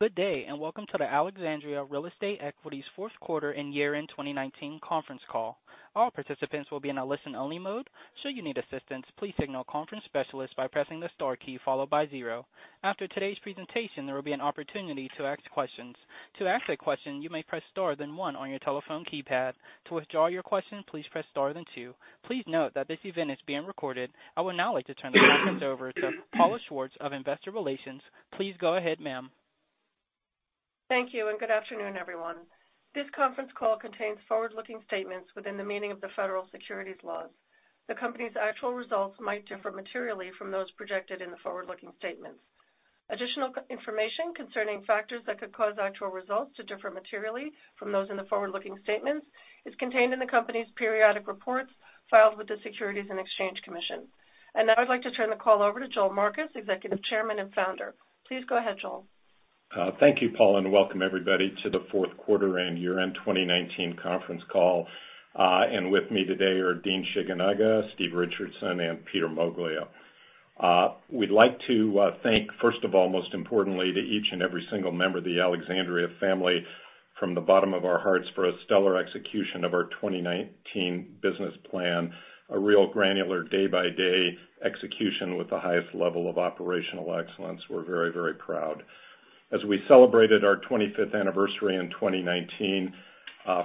Good day, and welcome to the Alexandria Real Estate Equities fourth quarter and year-end 2019 conference call. All participants will be in a listen-only mode, should you need assistance, please signal a conference specialist by pressing the star key followed by zero. After today's presentation, there will be an opportunity to ask questions. To ask a question, you may press star then one on your telephone keypad. To withdraw your question, please press star then two. Please note that this event is being recorded. I would now like to turn the conference over to Paula Schwartz of investor relations. Please go ahead, ma'am. Thank you, and good afternoon, everyone. This conference call contains forward-looking statements within the meaning of the federal securities laws. The company's actual results might differ materially from those projected in the forward-looking statements. Additional information concerning factors that could cause actual results to differ materially from those in the forward-looking statements is contained in the company's periodic reports filed with the Securities and Exchange Commission. Now I'd like to turn the call over to Joel Marcus, Executive Chairman and Founder. Please go ahead, Joel. Thank you, Paula, welcome everybody to the fourth quarter and year-end 2019 conference call. With me today are Dean Shigenaga, Steve Richardson, and Peter Moglia. We'd like to thank, first of all, most importantly, to each and every single member of the Alexandria family from the bottom of our hearts for a stellar execution of our 2019 business plan, a real granular day-by-day execution with the highest level of operational excellence. We're very proud. As we celebrated our 25th anniversary in 2019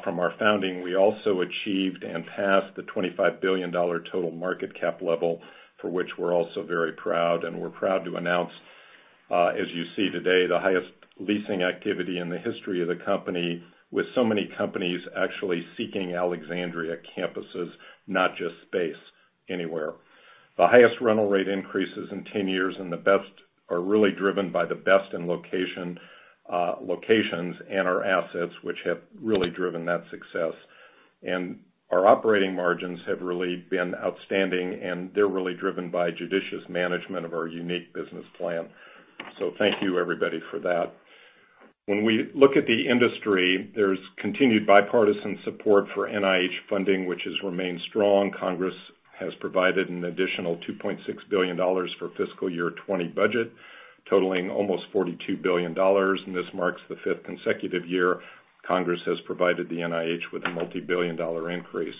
from our founding, we also achieved and passed the $25 billion total market cap level, for which we're also very proud. We're proud to announce, as you see today, the highest leasing activity in the history of the company, with so many companies actually seeking Alexandria campuses, not just space anywhere. The highest rental rate increases in 10 years are really driven by the best in locations and our assets, which have really driven that success. Our operating margins have really been outstanding, and they're really driven by judicious management of our unique business plan. Thank you everybody for that. When we look at the industry, there's continued bipartisan support for NIH funding, which has remained strong. Congress has provided an additional $2.6 billion for fiscal year 2020 budget, totaling almost $42 billion, and this marks the fifth consecutive year Congress has provided the NIH with a multi-billion dollar increase.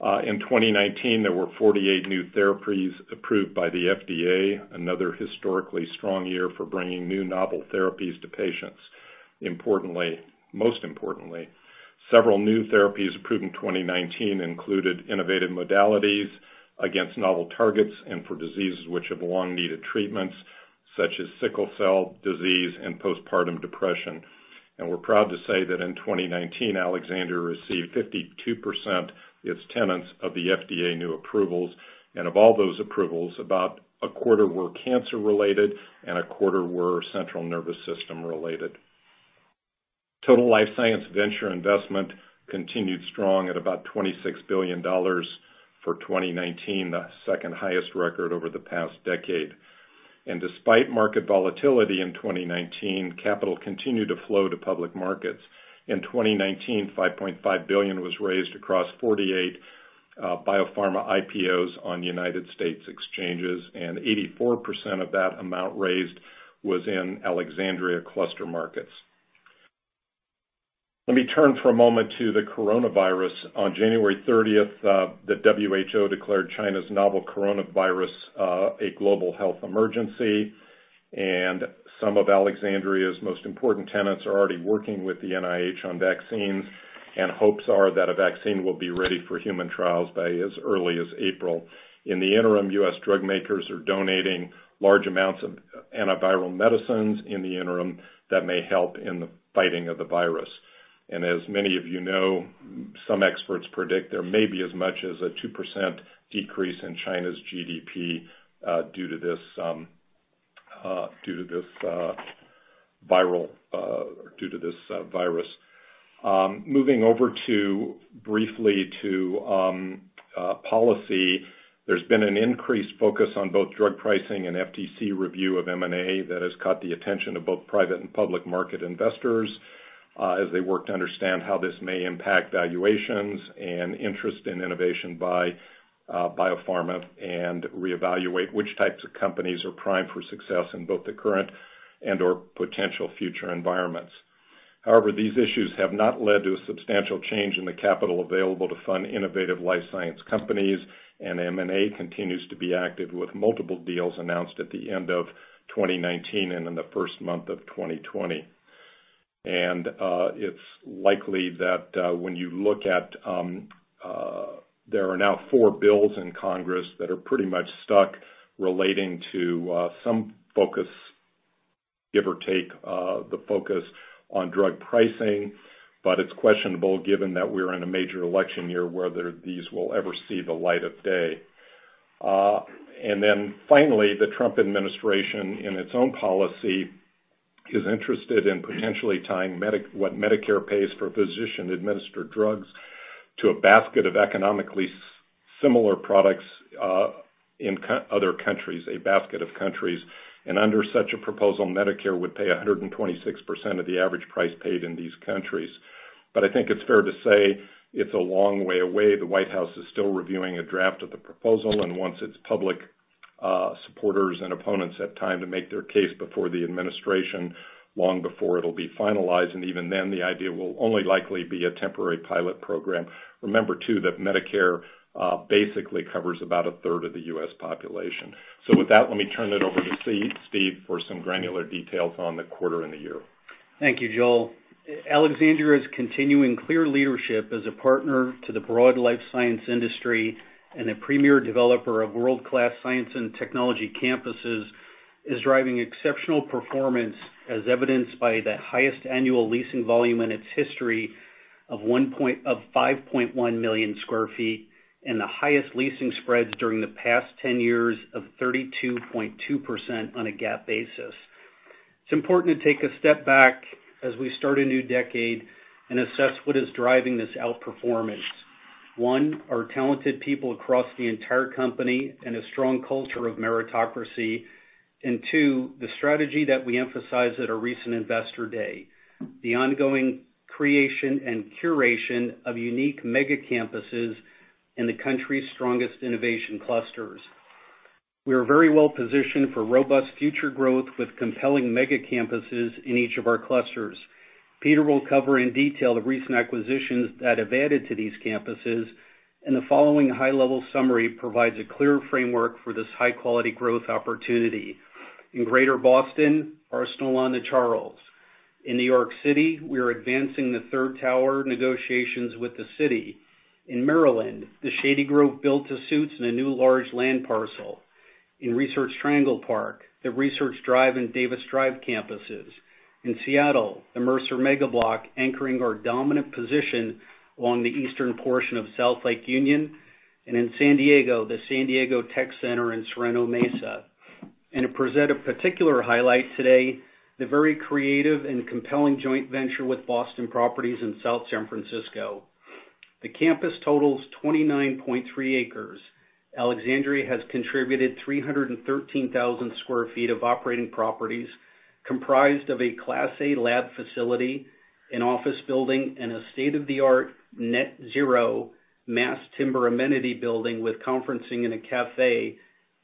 In 2019, there were 48 new therapies approved by the FDA, another historically strong year for bringing new novel therapies to patients. Most importantly, several new therapies approved in 2019 included innovative modalities against novel targets and for diseases which have long needed treatments, such as sickle cell disease and postpartum depression. We're proud to say that in 2019, Alexandria received 52% its tenants of the FDA new approvals. Of all those approvals, about a quarter were cancer related and a quarter were central nervous system related. Total life science venture investment continued strong at about $26 billion for 2019, the second highest record over the past decade. Despite market volatility in 2019, capital continued to flow to public markets. In 2019, $5.5 billion was raised across 48 biopharma IPOs on United States exchanges, and 84% of that amount raised was in Alexandria cluster markets. Let me turn for a moment to the coronavirus. On January 30th, the WHO declared China's novel coronavirus a global health emergency, and some of Alexandria's most important tenants are already working with the NIH on vaccines, and hopes are that a vaccine will be ready for human trials by as early as April. In the interim, U.S. drug makers are donating large amounts of antiviral medicines in the interim that may help in the fighting of the virus. As many of you know, some experts predict there may be as much as a 2% decrease in China's GDP due to this virus. Moving over briefly to policy. There's been an increased focus on both drug pricing and FTC review of M&A that has caught the attention of both private and public market investors, as they work to understand how this may impact valuations and interest in innovation by biopharma, and reevaluate which types of companies are primed for success in both the current and/or potential future environments. However, these issues have not led to a substantial change in the capital available to fund innovative life science companies, and M&A continues to be active with multiple deals announced at the end of 2019 and in the first month of 2020. It's likely that when you look at, there are now four bills in Congress that are pretty much stuck relating to some focus, give or take, the focus on drug pricing. It's questionable given that we're in a major election year, whether these will ever see the light of day. Finally, the Trump administration, in its own policy, is interested in potentially tying what Medicare pays for physician-administered drugs to a basket of economically similar products in other countries, a basket of countries. Under such a proposal, Medicare would pay 126% of the average price paid in these countries. I think it's fair to say it's a long way away. The White House is still reviewing a draft of the proposal, and once it's public, supporters and opponents have time to make their case before the administration, long before it'll be finalized, and even then, the idea will only likely be a temporary pilot program. Remember, too, that Medicare basically covers about a third of the U.S. population. With that, let me turn it over to Steve for some granular details on the quarter and the year. Thank you, Joel. Alexandria's continuing clear leadership as a partner to the broad life science industry and a premier developer of world-class science and technology campuses is driving exceptional performance, as evidenced by the highest annual leasing volume in its history of 5.1 million square feet and the highest leasing spreads during the past 10 years of 32.2% on a GAAP basis. It's important to take a step back as we start a new decade and assess what is driving this outperformance. One, our talented people across the entire company and a strong culture of meritocracy. Two, the strategy that we emphasized at our recent Investor Day, the ongoing creation and curation of unique mega campuses in the country's strongest innovation clusters. We are very well positioned for robust future growth with compelling mega campuses in each of our clusters. Peter will cover in detail the recent acquisitions that have added to these campuses, the following high-level summary provides a clear framework for this high-quality growth opportunity. In Greater Boston, Arsenal on the Charles. In New York City, we are advancing the third tower negotiations with the city. In Maryland, the Shady Grove build to suits and a new large land parcel. In Research Triangle Park, the Research Drive and Davis Drive campuses. In Seattle, the Mercer Mega Block anchoring our dominant position along the eastern portion of South Lake Union. In San Diego, the San Diego Tech Center in Sorrento Mesa. To present a particular highlight today, the very creative and compelling joint venture with Boston Properties in South San Francisco. The campus totals 29.3 acres. Alexandria has contributed 313,000 sq ft of operating properties comprised of a Class A lab facility, an office building, and a state-of-the-art net-zero mass timber amenity building with conferencing and a cafe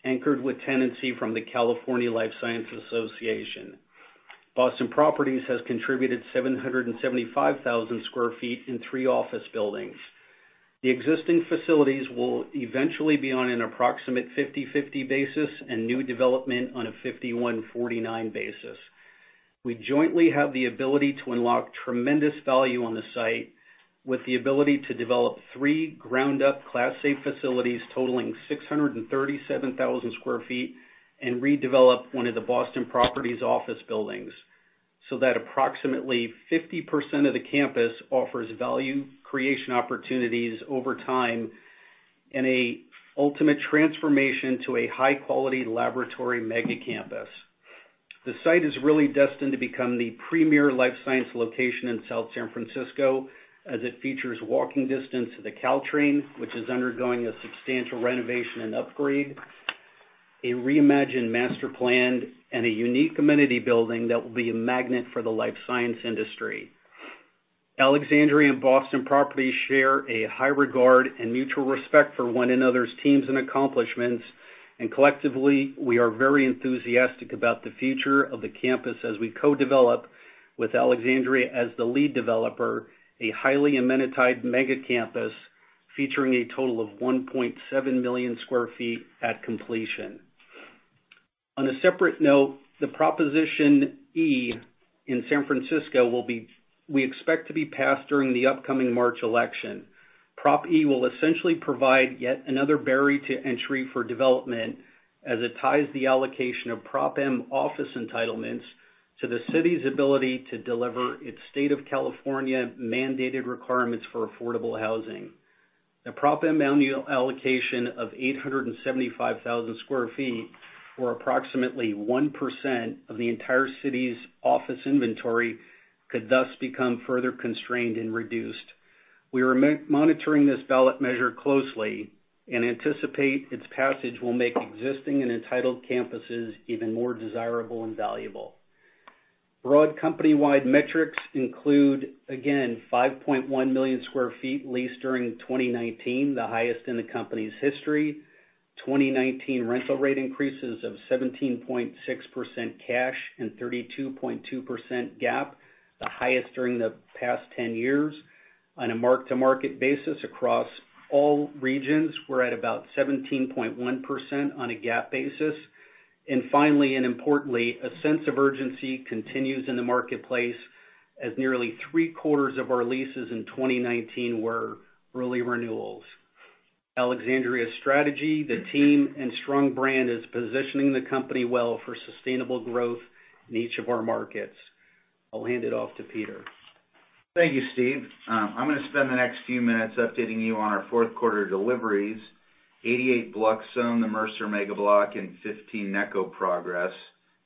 anchored with tenancy from the California Life Sciences Association. Boston Properties has contributed 775,000 sq ft in three office buildings. The existing facilities will eventually be on an approximate 50/50 basis and new development on a 51/49 basis. We jointly have the ability to unlock tremendous value on the site with the ability to develop three ground-up Class A facilities totaling 637,000 sq ft and redevelop one of the Boston Properties office buildings, so that approximately 50% of the campus offers value creation opportunities over time in a ultimate transformation to a high-quality laboratory mega campus. The site is really destined to become the premier life science location in South San Francisco as it features walking distance to the Caltrain, which is undergoing a substantial renovation and upgrade, a reimagined master plan, and a unique amenity building that will be a magnet for the life science industry. Alexandria and Boston Properties share a high regard and mutual respect for one another's teams and accomplishments, and collectively, we are very enthusiastic about the future of the campus as we co-develop with Alexandria as the lead developer, a highly amenitized mega campus featuring a total of 1.7 million square feet at completion. On a separate note, the Proposition E in San Francisco we expect to be passed during the upcoming March election. Prop E will essentially provide yet another barrier to entry for development as it ties the allocation of Prop M office entitlements to the city's ability to deliver its State of California mandated requirements for affordable housing. The Prop M annual allocation of 875,000 sq ft, or approximately 1% of the entire city's office inventory, could thus become further constrained and reduced. We are monitoring this ballot measure closely and anticipate its passage will make existing and entitled campuses even more desirable and valuable. Broad company-wide metrics include, again, 5.1 million square feet leased during 2019, the highest in the company's history. 2019 rental rate increases of 17.6% cash and 32.2% GAAP, the highest during the past 10 years. On a mark-to-market basis across all regions, we're at about 17.1% on a GAAP basis. Finally, and importantly, a sense of urgency continues in the marketplace as nearly three-quarters of our leases in 2019 were early renewals. Alexandria's strategy, the team, and strong brand is positioning the company well for sustainable growth in each of our markets. I'll hand it off to Peter. Thank you, Steve. I'm going to spend the next few minutes updating you on our fourth quarter deliveries. 88 Bluxome, the Mercer Mega Block, and 15 Necco progress.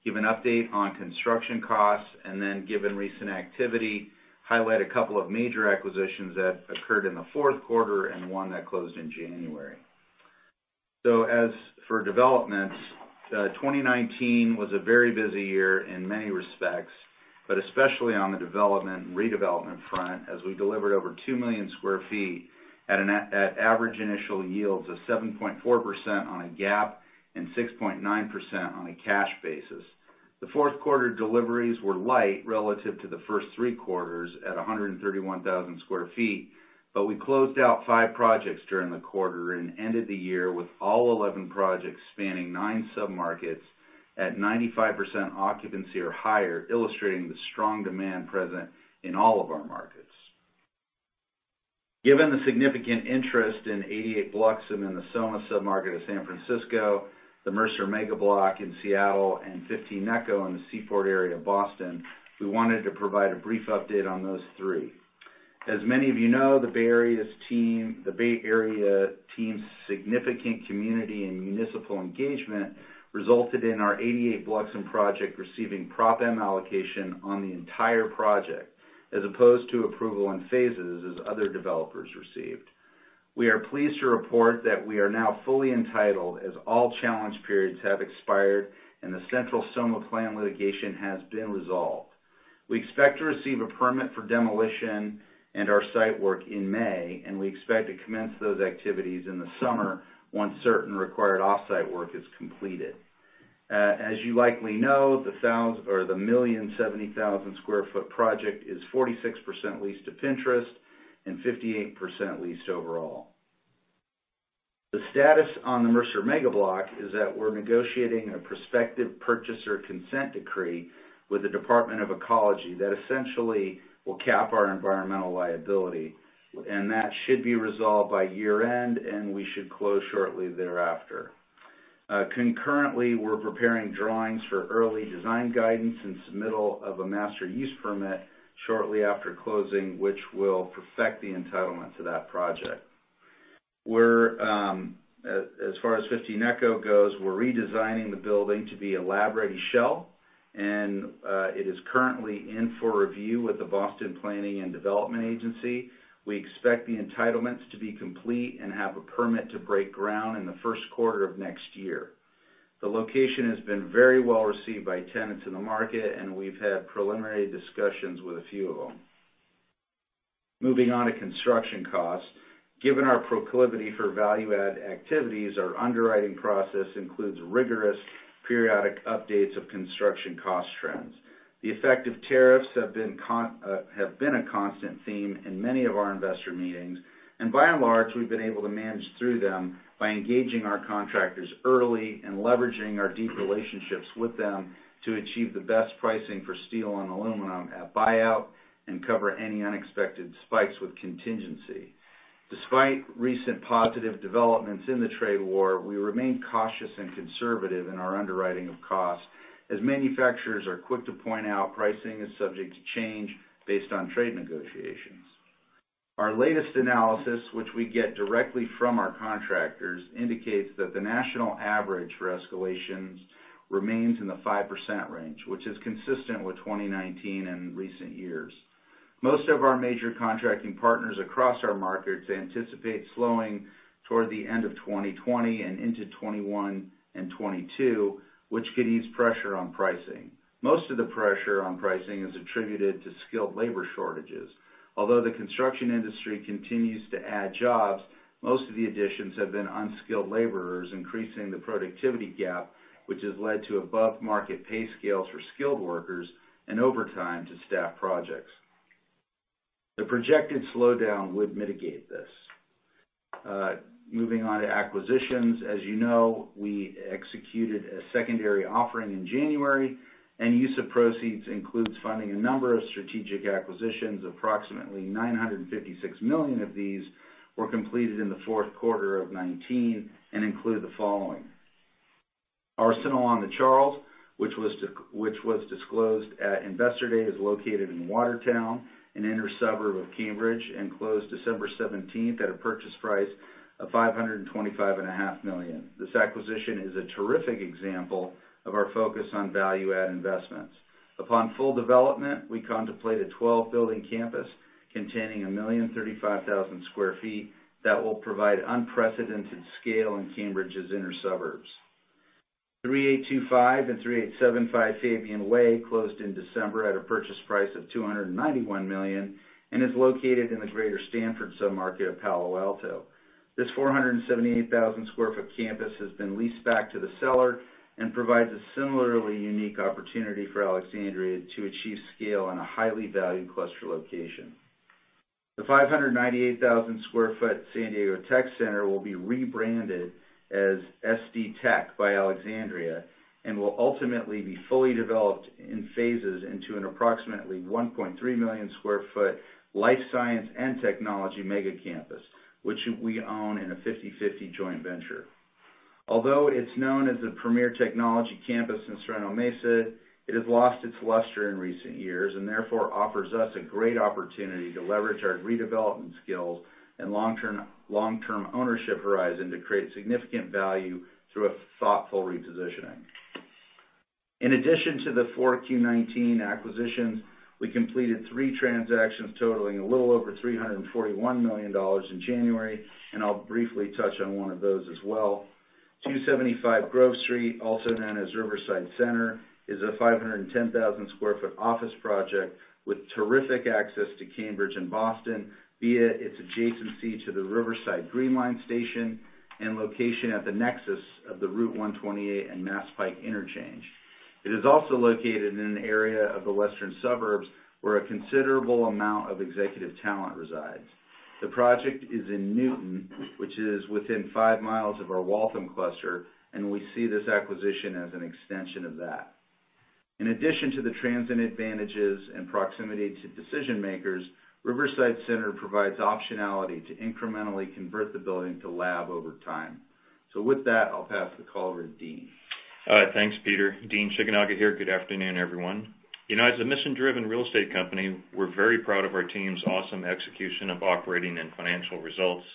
Give an update on construction costs, and then given recent activity, highlight a couple of major acquisitions that occurred in the fourth quarter and one that closed in January. As for developments, 2019 was a very busy year in many respects, but especially on the development and redevelopment front as we delivered over 2 million square feet at average initial yields of 7.4% on a GAAP and 6.9% on a cash basis. The fourth quarter deliveries were light relative to the first three quarters at 131,000 sq ft, but we closed out five projects during the quarter and ended the year with all 11 projects spanning nine submarkets at 95% occupancy or higher, illustrating the strong demand present in all of our markets. Given the significant interest in 88 Bluxome in the SoMa submarket of San Francisco, the Mercer Mega Block in Seattle, and 15 Necco in the Seaport area of Boston, we wanted to provide a brief update on those three. As many of you know, the Bay Area team's significant community and municipal engagement resulted in our 88 Bluxome Project receiving Prop M allocation on the entire project, as opposed to approval in phases as other developers received. We are pleased to report that we are now fully entitled as all challenge periods have expired and the Central SoMa Plan litigation has been resolved. We expect to receive a permit for demolition and our site work in May, and we expect to commence those activities in the summer once certain required offsite work is completed. As you likely know, the 1,070,000 sq ft project is 46% leased to Pinterest and 58% leased overall. The status on the Mercer Mega Block is that we're negotiating a prospective purchaser consent decree with the Department of Ecology that essentially will cap our environmental liability, and that should be resolved by year-end, and we should close shortly thereafter. Concurrently, we're preparing drawings for early design guidance and submittal of a master use permit shortly after closing, which will perfect the entitlement to that project. As far as 15 Necco goes, we're redesigning the building to be a lab-ready shell, and it is currently in for review with the Boston Planning & Development Agency. We expect the entitlements to be complete and have a permit to break ground in the first quarter of next year. The location has been very well received by tenants in the market, and we've had preliminary discussions with a few of them. Moving on to construction costs. Given our proclivity for value-add activities, our underwriting process includes rigorous periodic updates of construction cost trends. The effect of tariffs have been a constant theme in many of our investor meetings, and by and large, we've been able to manage through them by engaging our contractors early and leveraging our deep relationships with them to achieve the best pricing for steel and aluminum at buyout and cover any unexpected spikes with contingency. Despite recent positive developments in the trade war, we remain cautious and conservative in our underwriting of costs. As manufacturers are quick to point out, pricing is subject to change based on trade negotiations. Our latest analysis, which we get directly from our contractors, indicates that the national average for escalations remains in the 5% range, which is consistent with 2019 and recent years. Most of our major contracting partners across our markets anticipate slowing toward the end of 2020 and into 2021 and 2022, which could ease pressure on pricing. Most of the pressure on pricing is attributed to skilled labor shortages. Although the construction industry continues to add jobs, most of the additions have been unskilled laborers, increasing the productivity gap, which has led to above-market pay scales for skilled workers and overtime to staff projects. The projected slowdown would mitigate this. Moving on to acquisitions. As you know, we executed a secondary offering in January, and use of proceeds includes funding a number of strategic acquisitions. Approximately $956 million of these were completed in the fourth quarter of 2019 and include the following. Arsenal on the Charles, which was disclosed at Investor Day, is located in Watertown, an inner suburb of Cambridge, and closed December 17th at a purchase price of $525.5 million. This acquisition is a terrific example of our focus on value-add investments. Upon full development, we contemplate a 12-building campus containing 1,035,000 sq ft that will provide unprecedented scale in Cambridge's inner suburbs. 3825 and 3875 Fabian Way closed in December at a purchase price of $291 million and is located in the greater Stanford submarket of Palo Alto. This 478,000 sq ft campus has been leased back to the seller and provides a similarly unique opportunity for Alexandria to achieve scale in a highly valued cluster location. The 598,000 sq ft San Diego Tech Center will be rebranded as SD Tech by Alexandria and will ultimately be fully developed in phases into an approximately 1.3 million square foot life science and technology mega campus, which we own in a 50/50 joint venture. Although it's known as the premier technology campus in Sorrento Mesa, it has lost its luster in recent years, and therefore offers us a great opportunity to leverage our redevelopment skills and long-term ownership horizon to create significant value through a thoughtful repositioning. In addition to the 4Q 2019 acquisitions, we completed three transactions totaling a little over $341 million in January, and I'll briefly touch on one of those as well. 275 Grove Street, also known as Riverside Center, is a 510,000 sq ft office project with terrific access to Cambridge and Boston via its adjacency to the Riverside Green Line station and location at the nexus of Route 128 and Mass Pike interchange. It is also located in an area of the western suburbs where a considerable amount of executive talent resides. The project is in Newton, which is within 5 mi of our Waltham cluster. We see this acquisition as an extension of that. In addition to the transit advantages and proximity to decision-makers, Riverside Center provides optionality to incrementally convert the building to lab over time. With that, I'll pass the call over to Dean. All right, thanks, Peter. Dean Shigenaga here. Good afternoon, everyone. As a mission-driven real estate company, we're very proud of our team's awesome execution of operating and financial results.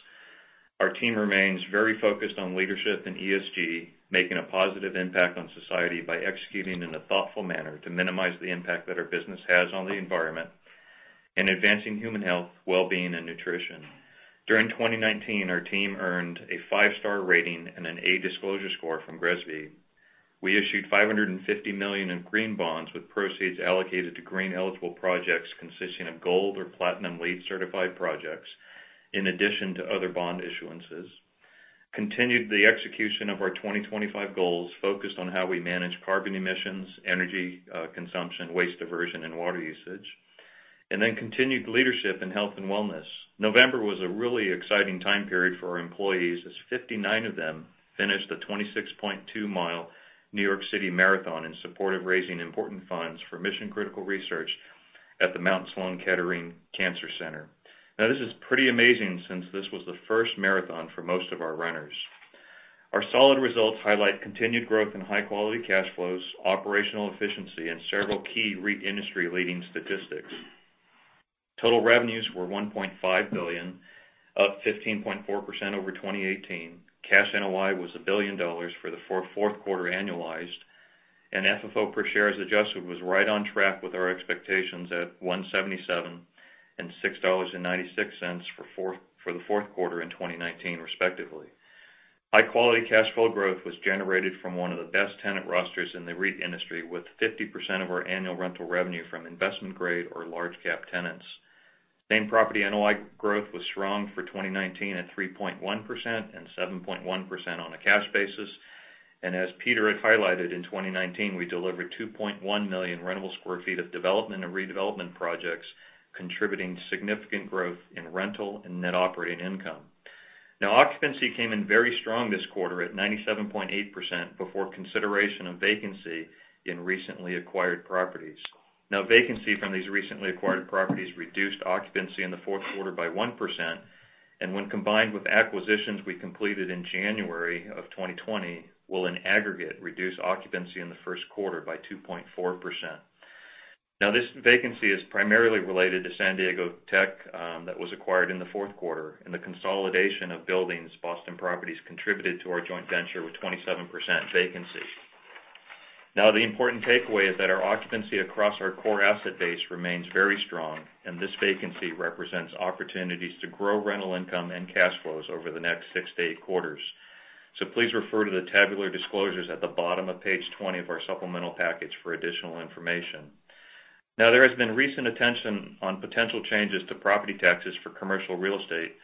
Our team remains very focused on leadership and ESG, making a positive impact on society by executing in a thoughtful manner to minimize the impact that our business has on the environment and advancing human health, well-being, and nutrition. During 2019, our team earned a five-star rating and an A disclosure score from GRESB. We issued $550 million in green bonds with proceeds allocated to green eligible projects consisting of Gold or Platinum LEED certified projects, in addition to other bond issuances. Continued the execution of our 2025 goals focused on how we manage carbon emissions, energy consumption, waste diversion, and water usage, and then continued leadership in health and wellness. November was a really exciting time period for our employees, as 59 of them finished the 26.2 mi New York City Marathon in support of raising important funds for mission-critical research at the Memorial Sloan Kettering Cancer Center. This is pretty amazing since this was the first marathon for most of our runners. Our solid results highlight continued growth in high-quality cash flows, operational efficiency, and several key REIT industry-leading statistics. Total revenues were $1.5 billion, up 15.4% over 2018. Cash NOI was $1 billion for the fourth quarter annualized, and FFO per share as adjusted was right on track with our expectations at $1.77 and $6.96 for the fourth quarter in 2019, respectively. High-quality cash flow growth was generated from one of the best tenant rosters in the REIT industry, with 50% of our annual rental revenue from investment-grade or large cap tenants. Same-property NOI growth was strong for 2019 at 3.1% and 7.1% on a cash basis. As Peter had highlighted, in 2019, we delivered 2.1 million rentable square feet of development and redevelopment projects, contributing significant growth in rental and net operating income. Now, occupancy came in very strong this quarter at 97.8% before consideration of vacancy in recently acquired properties. Now, vacancy from these recently acquired properties reduced occupancy in the fourth quarter by 1%, and when combined with acquisitions we completed in January of 2020, will in aggregate reduce occupancy in the first quarter by 2.4%. Now, this vacancy is primarily related to SD Tech was acquired in the fourth quarter, and the consolidation of buildings Boston Properties contributed to our joint venture with 27% vacancy. The important takeaway is that our occupancy across our core asset base remains very strong, and this vacancy represents opportunities to grow rental income and cash flows over the next six to eight quarters. Please refer to the tabular disclosures at the bottom of page 20 of our supplemental package for additional information. There has been recent attention on potential changes to property taxes for commercial real estate.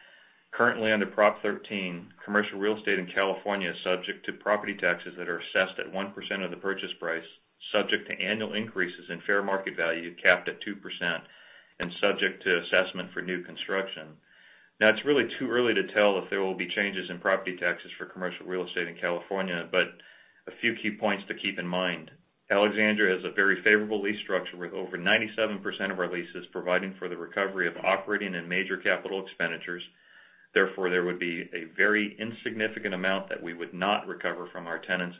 Currently, under Prop 13, commercial real estate in California is subject to property taxes that are assessed at 1% of the purchase price, subject to annual increases in fair market value, capped at 2%, and subject to assessment for new construction. It's really too early to tell if there will be changes in property taxes for commercial real estate in California, but a few key points to keep in mind. Alexandria is a very favorable lease structure with over 97% of our leases providing for the recovery of operating in major capital expenditures, therefore, there would be a very insignificant amount that we would not recover from our tenants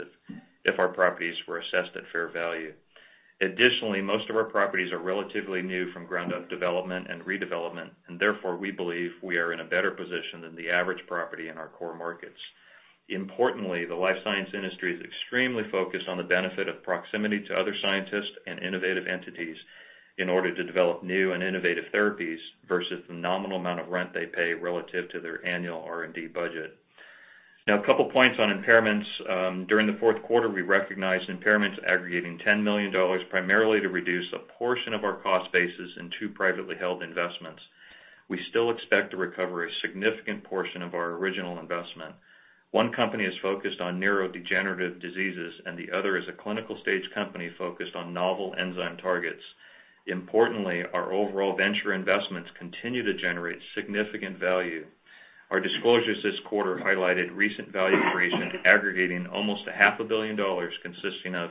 if our properties were assessed at fair value. Most of our properties are relatively new from ground-up development and redevelopment, and therefore, we believe we are in a better position than the average property in our core markets. Importantly, the life science industry is extremely focused on the benefit of proximity to other scientists and innovative entities in order to develop new and innovative therapies versus the nominal amount of rent they pay relative to their annual R&D budget. A couple points on impairments. During the fourth quarter, we recognized impairments aggregating $10 million, primarily to reduce a portion of our cost basis in two privately held investments. We still expect to recover a significant portion of our original investment. One company is focused on neurodegenerative diseases, and the other is a clinical-stage company focused on novel enzyme targets. Importantly, our overall venture investments continue to generate significant value. Our disclosures this quarter highlighted recent value creation aggregating almost $500 million, consisting of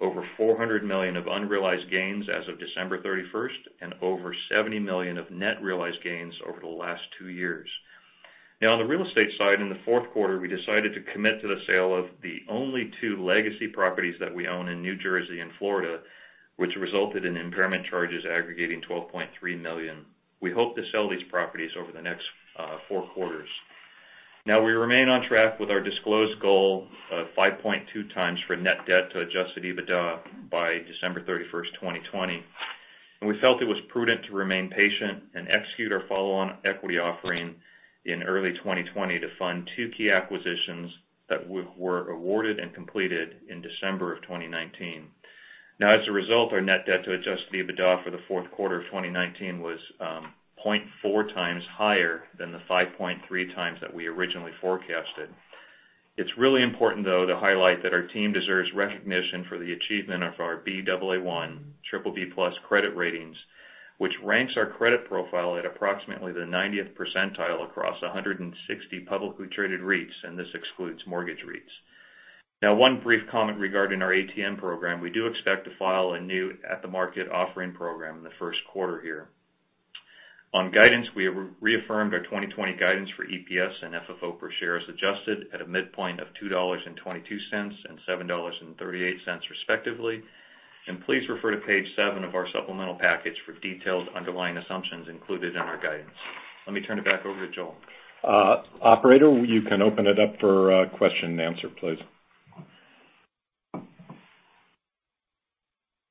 over $400 million of unrealized gains as of December 31st and over $70 million of net realized gains over the last two years. On the real estate side, in the fourth quarter, we decided to commit to the sale of the only two legacy properties that we own in New Jersey and Florida, which resulted in impairment charges aggregating $12.3 million. We hope to sell these properties over the next four quarters. We remain on track with our disclosed goal of 5.2x for net debt to adjusted EBITDA by December 31st, 2020. We felt it was prudent to remain patient and execute our follow-on equity offering in early 2020 to fund two key acquisitions that were awarded and completed in December of 2019. As a result, our net debt to adjusted EBITDA for the fourth quarter of 2019 was 0.4x higher than the 5.3x that we originally forecasted. It's really important, though, to highlight that our team deserves recognition for the achievement of our Baa1, BBB+ credit ratings, which ranks our credit profile at approximately the 90th percentile across 160 publicly traded REITs, and this excludes mortgage REITs. One brief comment regarding our ATM program. We do expect to file a new at-the-market offering program in the first quarter here. On guidance, we have reaffirmed our 2020 guidance for EPS and FFO per share as adjusted at a midpoint of $2.22 and $7.38, respectively. Please refer to page seven of our supplemental package for detailed underlying assumptions included in our guidance. Let me turn it back over to Joel. Operator, you can open it up for question and answer, please.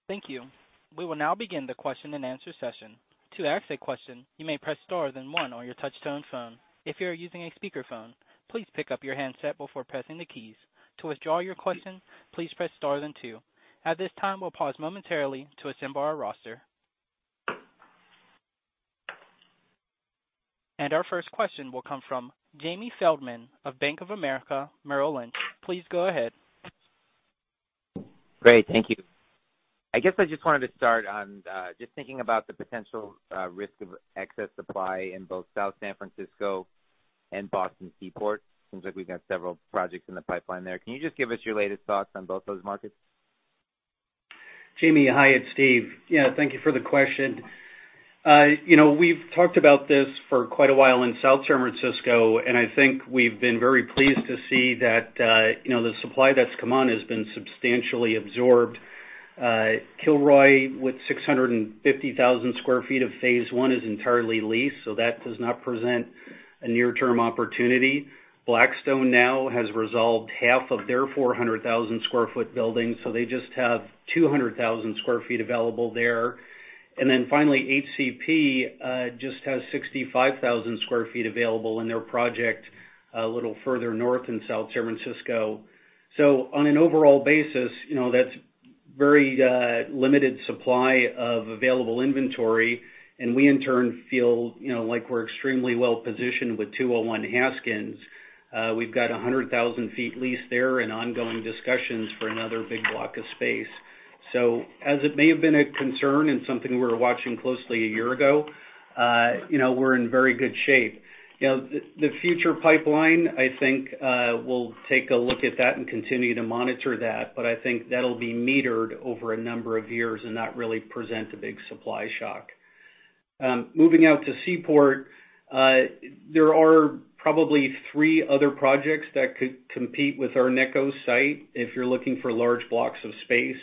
Thank you. We will now begin the question and answer session. To ask a question, you may press star then one on your touch-tone phone. If you are using a speakerphone, please pick up your handset before pressing the keys. To withdraw your question, please press star then two. At this time, we'll pause momentarily to assemble our roster. Our first question will come from Jamie Feldman of Bank of America Merrill Lynch. Please go ahead. Great, thank you. I guess I just wanted to start on just thinking about the potential risk of excess supply in both South San Francisco and Boston Seaport. Seems like we've got several projects in the pipeline there. Can you just give us your latest thoughts on both those markets? Jamie, hi. It's Steve. Thank you for the question. We've talked about this for quite a while in South San Francisco, and I think we've been very pleased to see that the supply that's come on has been substantially absorbed. Kilroy, with 650,000 sq ft of phase I is entirely leased, so that does not present a near-term opportunity. Blackstone now has resolved half of their 400,000 sq ft building, so they just have 200,000 sq ft available there. Finally, HCP just has 65,000 sq ft available in their project a little further north in South San Francisco. On an overall basis, that's very limited supply of available inventory, and we in turn feel like we're extremely well-positioned with 201 Haskins. We've got 100,000 sq ft leased there and ongoing discussions for another big block of space. As it may have been a concern and something we were watching closely a year ago, we're in very good shape. The future pipeline, I think we'll take a look at that and continue to monitor that, but I think that'll be metered over a number of years and not really present a big supply shock. Moving out to Seaport, there are probably three other projects that could compete with our Necco site if you're looking for large blocks of space.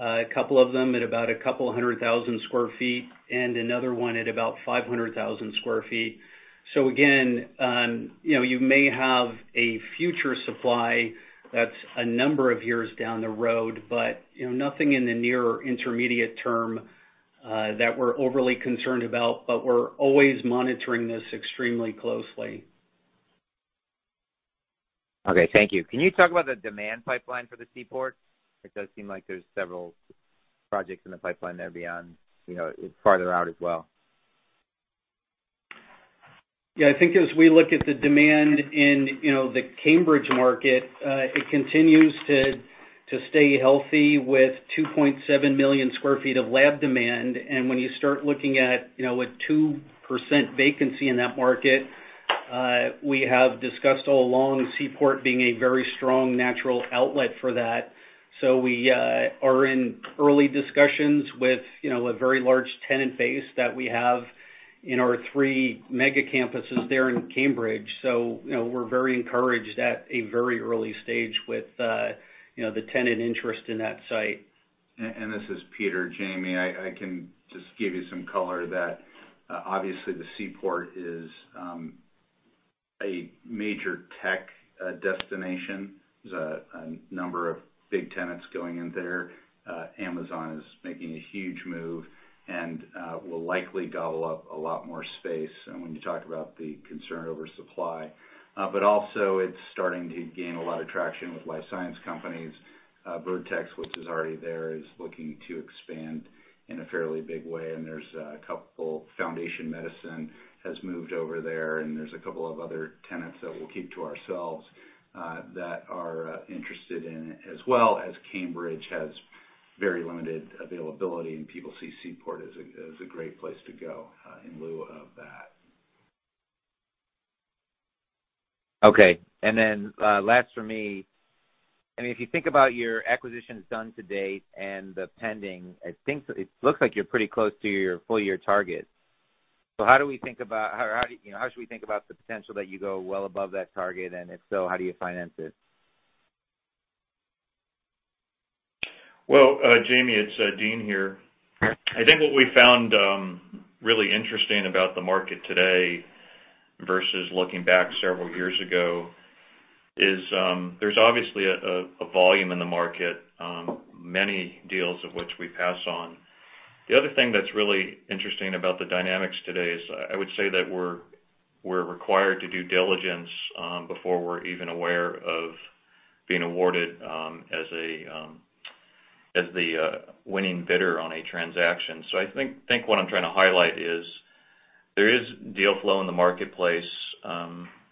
A couple of them at about a couple of hundred thousand square feet and another one at about 500,000 sq ft. Again, you may have a future supply that's a number of years down the road, but nothing in the near intermediate term that we're overly concerned about, but we're always monitoring this extremely closely. Okay, thank you. Can you talk about the demand pipeline for the Seaport? It does seem like there's several projects in the pipeline there beyond, farther out as well. Yeah, I think as we look at the demand in the Cambridge market, it continues to stay healthy with 2.7 million square feet of lab demand. When you start looking at a 2% vacancy in that market, we have discussed all along Seaport being a very strong natural outlet for that. We are in early discussions with a very large tenant base that we have in our three mega campuses there in Cambridge. We're very encouraged at a very early stage with the tenant interest in that site. This is Peter. Jamie, I can just give you some color that obviously the Seaport is a major tech destination. There's a number of big tenants going in there. Amazon is making a huge move and will likely gobble up a lot more space, and when you talk about the concern over supply. Also it's starting to gain a lot of traction with life science companies. Vertex, which is already there, is looking to expand in a fairly big way, and there's a couple. Foundation Medicine has moved over there, and there's a couple of other tenants that we'll keep to ourselves that are interested in it as well, as Cambridge has very limited availability, and people see Seaport as a great place to go in lieu of that. Okay. Last for me. If you think about your acquisitions done to date and the pending, it looks like you're pretty close to your full-year target. How should we think about the potential that you go well above that target, and if so, how do you finance it? Jamie, it's Dean here. I think what we found really interesting about the market today versus looking back several years ago is there's obviously a volume in the market, many deals of which we pass on. The other thing that's really interesting about the dynamics today is I would say that we're required to do diligence before we're even aware of being awarded as a as the winning bidder on a transaction. I think what I'm trying to highlight is there is deal flow in the marketplace.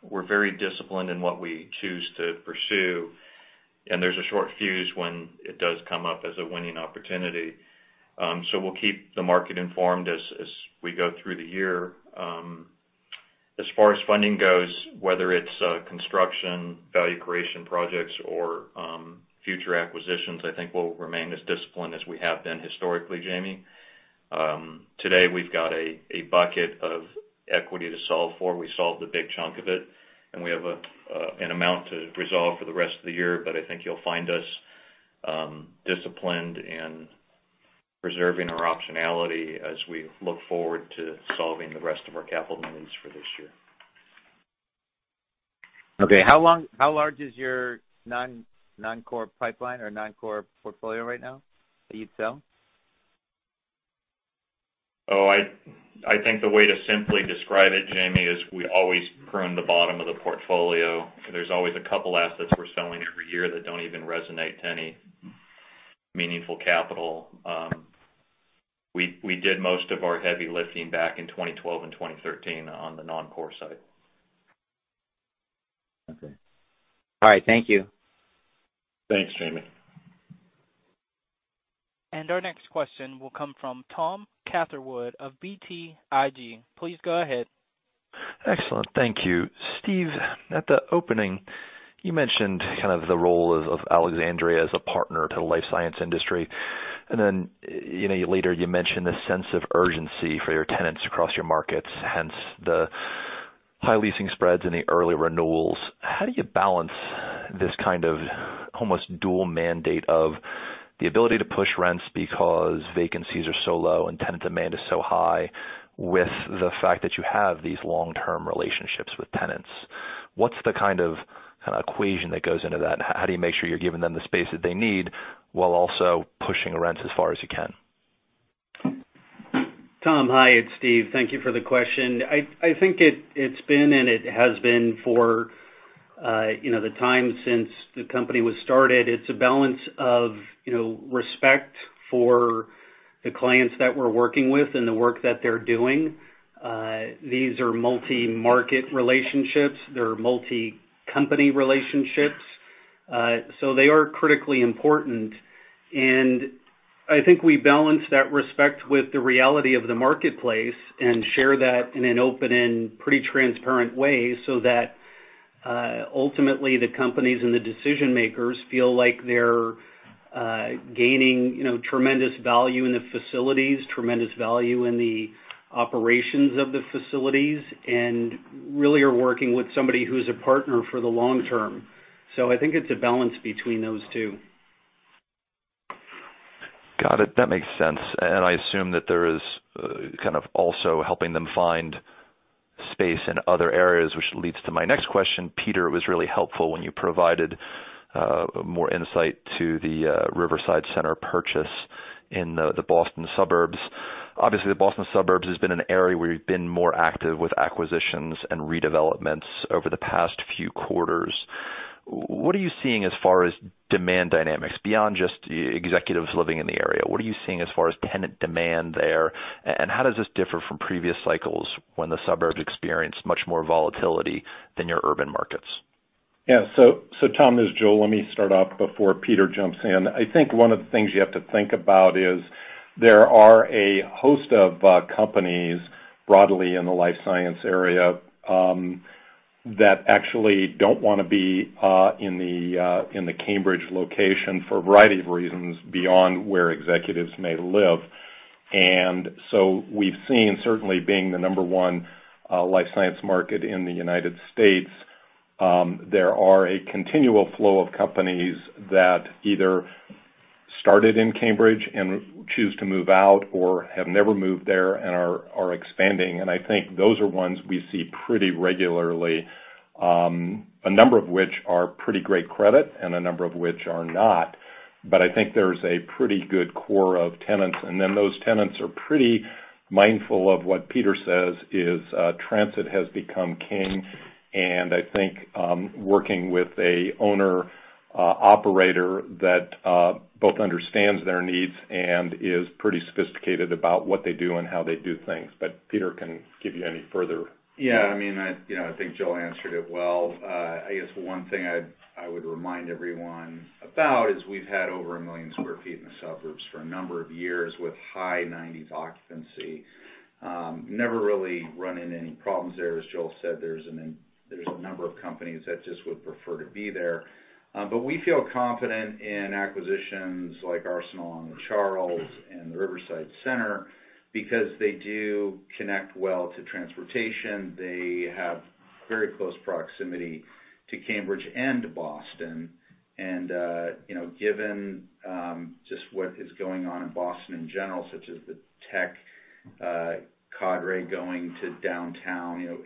We're very disciplined in what we choose to pursue, and there's a short fuse when it does come up as a winning opportunity. We'll keep the market informed as we go through the year. As far as funding goes, whether it's construction, value creation projects, or future acquisitions, I think we'll remain as disciplined as we have been historically, Jamie. Today, we've got a bucket of equity to solve for. We solved a big chunk of it, and we have an amount to resolve for the rest of the year, but I think you'll find us disciplined in preserving our optionality as we look forward to solving the rest of our capital needs for this year. Okay. How large is your non-core pipeline or non-core portfolio right now that you'd sell? I think the way to simply describe it, Jamie, is we always prune the bottom of the portfolio. There's always a couple assets we're selling every year that don't even resonate any meaningful capital. We did most of our heavy lifting back in 2012 and 2013 on the non-core side. Okay. All right, thank you. Thanks, Jamie. Our next question will come from Tom Catherwood of BTIG. Please go ahead. Excellent, thank you. Steve, at the opening, you mentioned kind of the role of Alexandria as a partner to the life science industry, and then, you know, later you mentioned the sense of urgency for your tenants across your markets, hence the high leasing spreads and the early renewals. How do you balance this kind of almost dual mandate of the ability to push rents because vacancies are so low and tenant demand is so high with the fact that you have these long-term relationships with tenants? What's the kind of equation that goes into that? How do you make sure you're giving them the space that they need while also pushing rents as far as you can? Tom, hi. It's Steve, thank you for the question. I think it's been, and it has been for, you know, the time since the company was started, it's a balance of respect for the clients that we're working with and the work that they're doing. These are multi-market relationships, they're multi-company relationships. They are critically important. I think we balance that respect with the reality of the marketplace and share that in an open and pretty transparent way so that, ultimately, the companies and the decision-makers feel like they're, gaining tremendous value in the facilities, tremendous value in the operations of the facilities, and really are working with somebody who's a partner for the long term. I think it's a balance between those two. Got it. That makes sense. I assume that there is kind of also helping them find space in other areas, which leads to my next question. Peter, it was really helpful when you provided more insight to the Riverside Center purchase in the Boston suburbs. Obviously, the Boston suburbs has been an area where you've been more active with acquisitions and redevelopments over the past few quarters. What are you seeing as far as demand dynamics? Beyond just executives living in the area, what are you seeing as far as tenant demand there, and how does this differ from previous cycles when the suburbs experienced much more volatility than your urban markets? Yeah. Tom, this is Joel. Let me start off before Peter jumps in. I think one of the things you have to think about is there are a host of companies broadly in the life science area that actually don't wanna be in the Cambridge location for a variety of reasons beyond where executives may live. We've seen certainly being the number one life science market in the United States, there are a continual flow of companies that either started in Cambridge and choose to move out or have never moved there and are expanding. I think those are ones we see pretty regularly. A number of which are pretty great credit and a number of which are not. I think there's a pretty good core of tenants, and then those tenants are pretty mindful of what Peter says is, transit has become king, and I think, working with an owner operator that both understands their needs and is pretty sophisticated about what they do and how they do things. Peter can give you any further. Yeah, I mean, I think Joel answered it well. I guess one thing I would remind everyone about is we've had over 1 million square feet in the suburbs for a number of years with high 90s occupancy. Never really run into any problems there. As Joel said, there's a number of companies that just would prefer to be there. We feel confident in acquisitions like Arsenal on the Charles and the Riverside Center. They do connect well to transportation, they have very close proximity to Cambridge and Boston. Given just what is going on in Boston in general, such as the tech cadre going to downtown,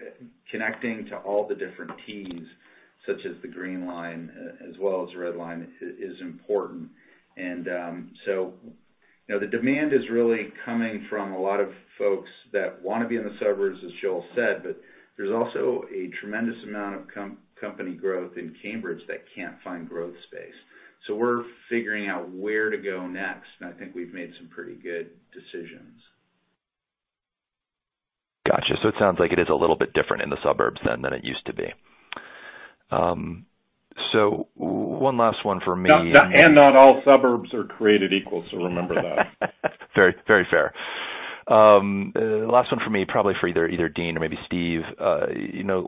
connecting to all the different Ts, such as the Green Line as well as the Red Line, is important. Now the demand is really coming from a lot of folks that want to be in the suburbs, as Joel said. There's also a tremendous amount of company growth in Cambridge that can't find growth space. We're figuring out where to go next, and I think we've made some pretty good decisions. Got you. It sounds like it is a little bit different in the suburbs then than it used to be. One last one for me. Not all suburbs are created equal. Remember that. Very fair. Last one for me, probably for either Dean or maybe Steve. A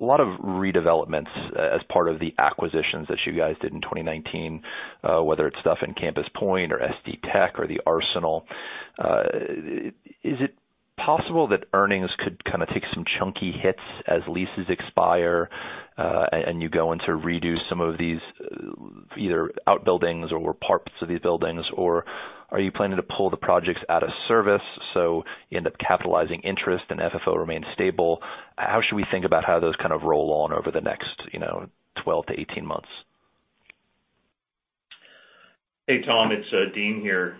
lot of redevelopments as part of the acquisitions that you guys did in 2019, whether it's stuff in Campus Point or SD Tech or the Arsenal. Is it possible that earnings could kind of take some chunky hits as leases expire, and you go in to redo some of these, either outbuildings or parts of these buildings? Are you planning to pull the projects out of service so you end up capitalizing interest and FFO remains stable? How should we think about how those kind of roll on over the next 12 to 18 months? Hey, Tom, it's Dean here.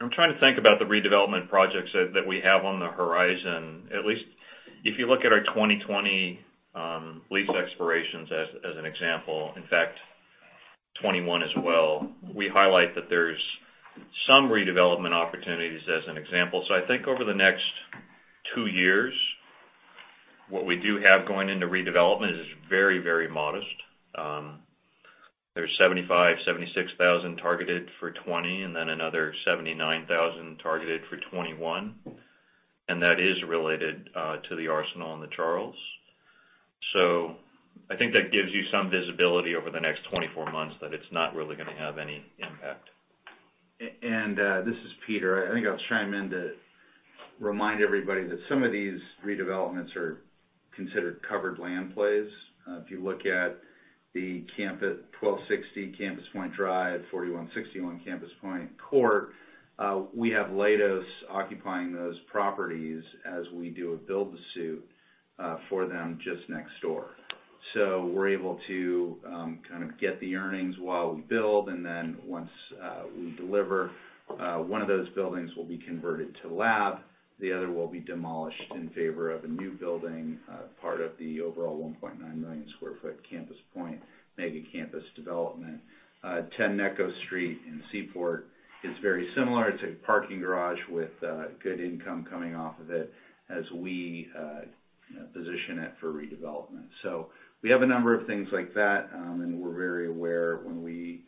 I'm trying to think about the redevelopment projects that we have on the horizon. At least if you look at our 2020 lease expirations as an example, in fact, 2021 as well, we highlight that there's some redevelopment opportunities as an example. I think over the next two years, what we do have going into redevelopment is very modest. There's 75,000 sq ft, 76,000 sq ft targeted for 2020, and then another 79,000 sq ft targeted for 2021. That is related to the Arsenal on the Charles. I think that gives you some visibility over the next 24 months that it's not really going to have any impact. This is Peter. I think I was chiming in to remind everybody that some of these redevelopments are considered covered land plays. If you look at the 1260 Campus Point Drive, 4161 Campus Point Court, we have Leidos occupying those properties as we do a build to suit for them just next door. We're able to kind of get the earnings while we build, and then once we deliver, one of those buildings will be converted to lab, the other will be demolished in favor of a new building, part of the overall 1.9 million square feet Campus Point mega campus development. 10 Necco Street in Seaport is very similar. It's a parking garage with good income coming off of it as we position it for redevelopment. We have a number of things like that, and we're very aware when we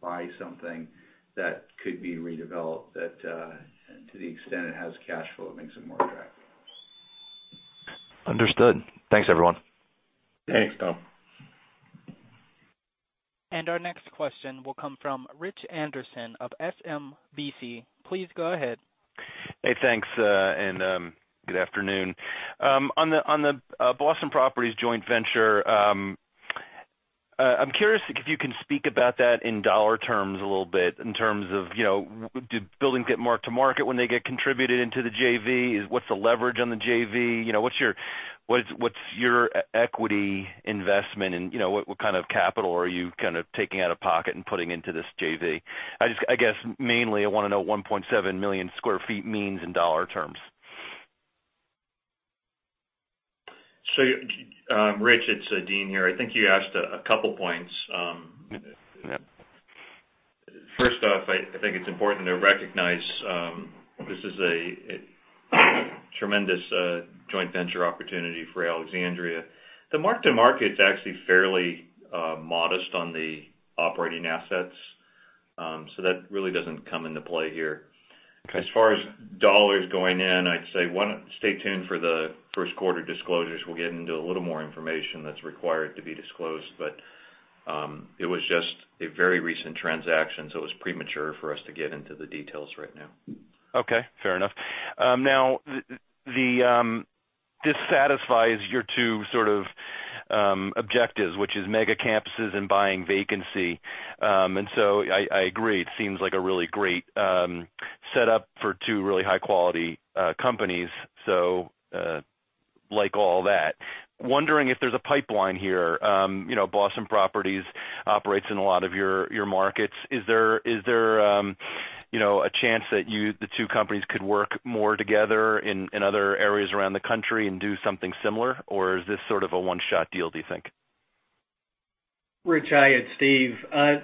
buy something that could be redeveloped, that to the extent it has cash flow, it makes it more attractive. Understood. Thanks, everyone. Thanks, Tom. Our next question will come from Rich Anderson of SMBC. Please go ahead. Hey, thanks, and good afternoon. On the Boston Properties joint venture, I'm curious if you can speak about that in dollar terms a little bit in terms of, do buildings get marked to market when they get contributed into the JV? What's the leverage on the JV? What's your equity investment and what kind of capital are you kind of taking out of pocket and putting into this JV? I guess mainly I want to know what 1.7 million square feet means in dollar terms. Rich, it's Dean here. I think you asked a couple of points. Yeah. First off, I think it's important to recognize this is a tremendous joint venture opportunity for Alexandria. The mark to market's actually fairly modest on the operating assets. That really doesn't come into play here. Okay. As far as dollars going in, I'd say one, stay tuned for the first quarter disclosures. We'll get into a little more information that's required to be disclosed. It was just a very recent transaction, so it was premature for us to get into the details right now. Okay, fair enough. This satisfies your two sort of objectives, which is mega campuses and buying vacancy. I agree, it seems like a really great setup for two really high-quality companies. Like all that. Wondering if there's a pipeline here. Boston Properties operates in a lot of your markets. Is there a chance that the two companies could work more together in other areas around the country and do something similar? Is this sort of a one-shot deal, do you think? Rich, hi, it's Steve.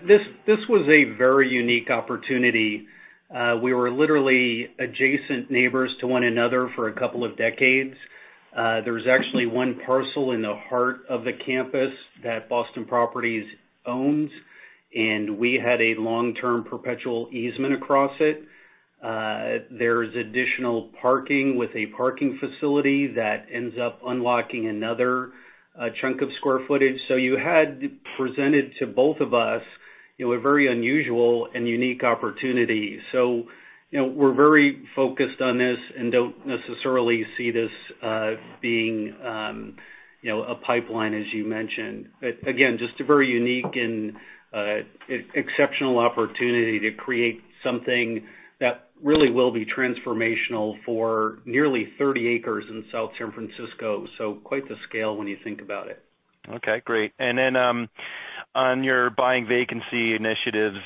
This was a very unique opportunity. We were literally adjacent neighbors to one another for a couple of decades. There was actually one parcel in the heart of the campus that Boston Properties owns, and we had a long-term perpetual easement across it. There's additional parking with a parking facility that ends up unlocking another chunk of square footage. You had presented to both of us a very unusual and unique opportunity. We're very focused on this and don't necessarily see this being a pipeline, as you mentioned. Again, just a very unique and exceptional opportunity to create something that really will be transformational for nearly 30 acres in South San Francisco. Quite the scale when you think about it. Okay, great. Then, on your buying vacancy initiatives,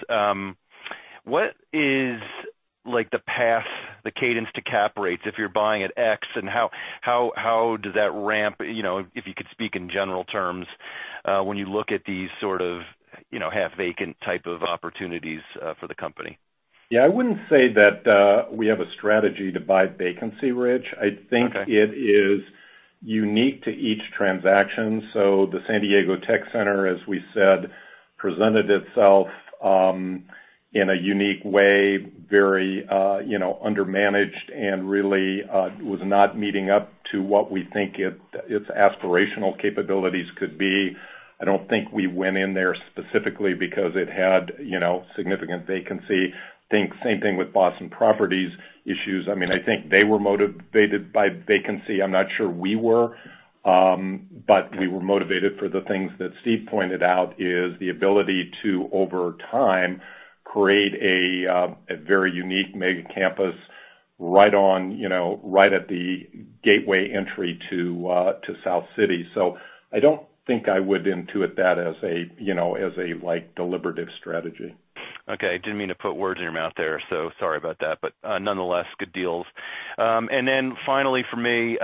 what is the path, the cadence to cap rates if you're buying at X, and how does that ramp, if you could speak in general terms, when you look at these sort of half-vacant type of opportunities for the company? Yeah, I wouldn't say that we have a strategy to buy vacancy, Rich. Okay. I think it is unique to each transaction. The San Diego Tech Center, as we said, presented itself in a unique way, very under-managed, and really was not meeting up to what we think its aspirational capabilities could be. I don't think we went in there specifically because it had significant vacancy. Same thing with Boston Properties issues. I think they were motivated by vacancy. I'm not sure we were, but we were motivated for the things that Steve pointed out, is the ability to, over time, create a very unique mega-campus right at the gateway entry to South City. I don't think I would intuit that as a deliberative strategy. Okay. Didn't mean to put words in your mouth there, sorry about that. Nonetheless, good deals. Finally from me,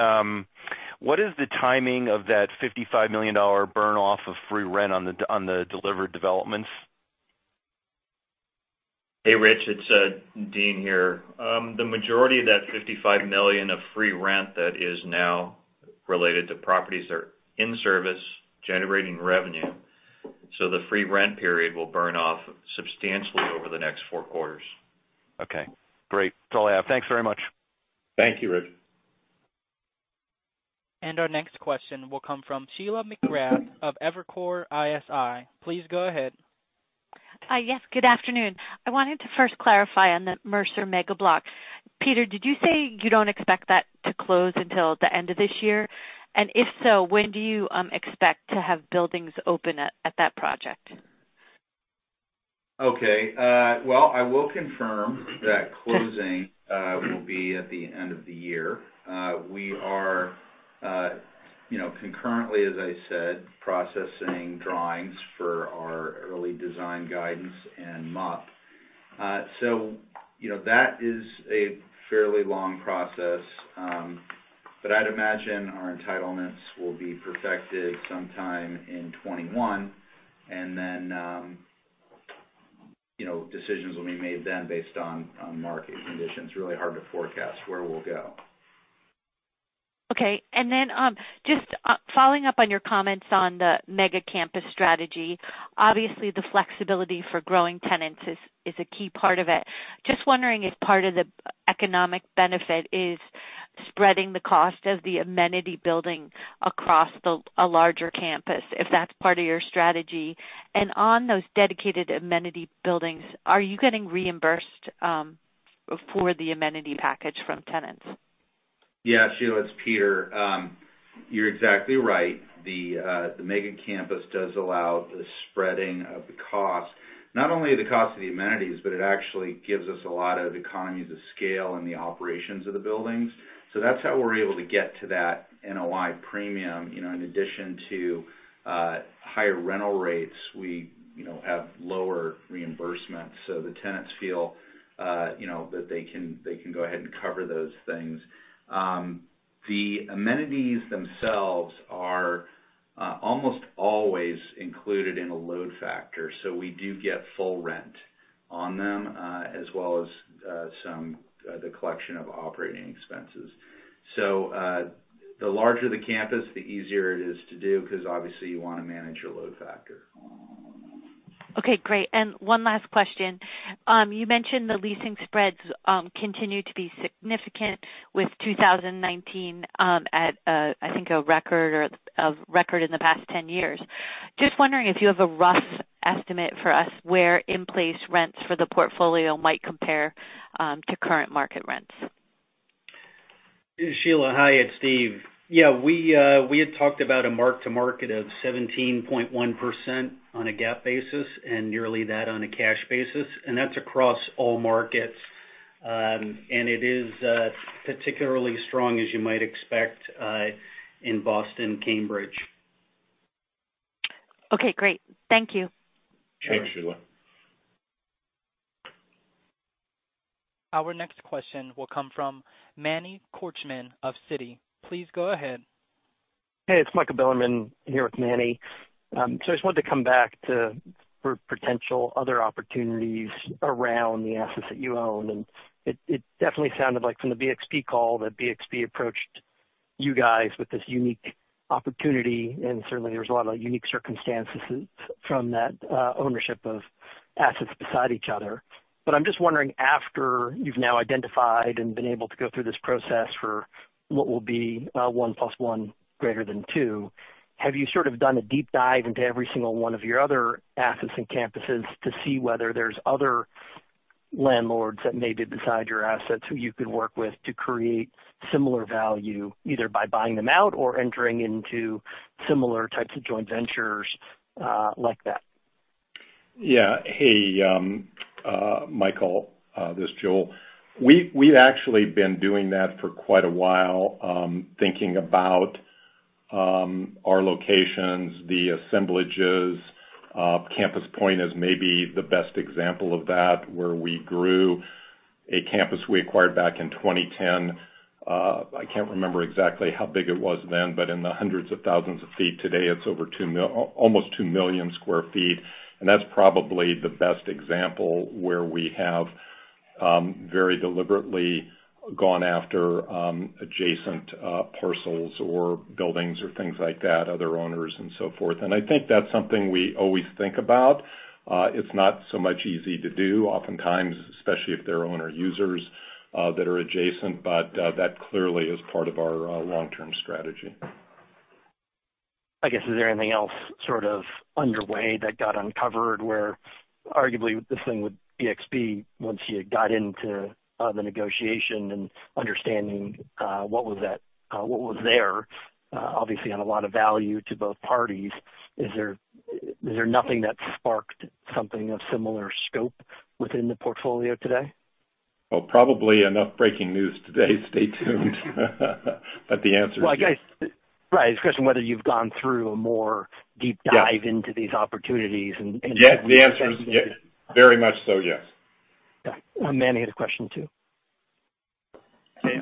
what is the timing of that $55 million burn-off of free rent on the delivered developments? Hey, Rich, it's Dean here. The majority of that $55 million of free rent that is now related to properties that are in service generating revenue. The free rent period will burn off substantially over the next four quarters. Okay, great. That's all I have, thanks very much. Thank you, Rich. Our next question will come from Sheila McGrath of Evercore ISI. Please go ahead. Yes, good afternoon. I wanted to first clarify on the Mercer Mega Block. Peter, did you say you don't expect that to close until the end of this year? If so, when do you expect to have buildings open at that project? I will confirm that closing will be at the end of the year. We are concurrently, as I said, processing drawings for our early design guidance and MUP. That is a fairly long process. I'd imagine our entitlements will be perfected sometime in 2021. Decisions will be made then based on market conditions. Really hard to forecast where we'll go. Okay. Just following up on your comments on the mega-campus strategy, obviously the flexibility for growing tenants is a key part of it. Just wondering if part of the economic benefit is spreading the cost of the amenity building across a larger campus, if that's part of your strategy. On those dedicated amenity buildings, are you getting reimbursed for the amenity package from tenants? Yeah, Sheila, it's Peter. You're exactly right. The mega-campus does allow the spreading of the cost, not only the cost of the amenities, but it actually gives us a lot of economies of scale in the operations of the buildings. That's how we're able to get to that NOI premium. In addition to higher rental rates, we have lower reimbursements. The tenants feel that they can go ahead and cover those things. The amenities themselves are almost always included in a load factor, so we do get full rent on them, as well as some of the collection of operating expenses. The larger the campus, the easier it is to do, because obviously you want to manage your load factor. Okay, great. One last question. You mentioned the leasing spreads continue to be significant with 2019 at, I think, a record in the past 10 years. Just wondering if you have a rough estimate for us where in-place rents for the portfolio might compare to current market rents. Sheila, hi, it's Steve. Yeah, we had talked about a mark-to-market of 17.1% on a GAAP basis and nearly that on a cash basis. That's across all markets. It is particularly strong, as you might expect, in Boston, Cambridge. Okay, great. Thank you. Thanks, Sheila. Our next question will come from Manny Korchman of Citi. Please go ahead. Hey, it's Michael Bilerman here with Manny. I just wanted to come back to potential other opportunities around the assets that you own, and it definitely sounded like from the BXP call that BXP approached you guys with this unique opportunity, and certainly there's a lot of unique circumstances from that ownership of assets beside each other. I'm just wondering, after you've now identified and been able to go through this process for what will be one plus one greater than two, have you sort of done a deep dive into every single one of your other assets and campuses to see whether there's other landlords that may be beside your assets who you could work with to create similar value, either by buying them out or entering into similar types of joint ventures like that? Yeah. Hey, Michael, this Joel. We've actually been doing that for quite a while, thinking about our locations, the assemblages. Campus Point is maybe the best example of that, where we grew a campus we acquired back in 2010. I can't remember exactly how big it was then, but in the hundreds of thousands of feet. Today it's almost 2 million square feet, that's probably the best example where we have very deliberately gone after adjacent parcels or buildings or things like that, other owners and so forth. I think that's something we always think about. It's not so much easy to do oftentimes, especially if they're owner users that are adjacent. That clearly is part of our long-term strategy. I guess, is there anything else sort of underway that got uncovered where arguably this thing with BXP, once you got into the negotiation and understanding what was there, obviously on a lot of value to both parties? Is there nothing that sparked something of similar scope within the portfolio today? Oh, probably enough breaking news today. Stay tuned. The answer is yes. Well. Right, it's a question of whether you've gone through a more deep dive... Yeah ...into these opportunities. Yes, the answer is yes. Very much so, yes. Got it. Manny had a question too. Hey,